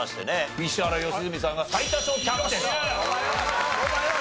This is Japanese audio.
石原良純さんが最多勝キャプテンと。